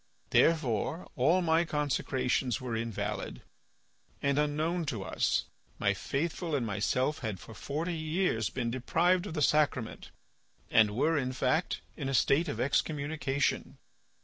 Therefore all my consecrations were invalid, and unknown to us, my faithful and myself had for forty years been deprived of the sacrament and were in fact in a state of excommunication.